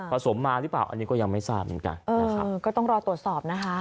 สมมาหรือเปล่าอันนี้ก็ยังไม่ทราบเหมือนกันนะครับเออก็ต้องรอตรวจสอบนะคะ